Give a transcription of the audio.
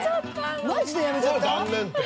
マジでやめちゃった？